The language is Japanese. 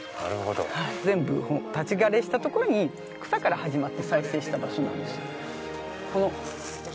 全部、立ち枯れしたところに草から始まって再生した場所なんですよ。